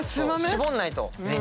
絞んないと。